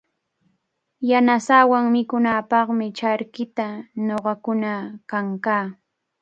Yanasaawan mikunaapaqmi charkita ñuqakuna kankaa.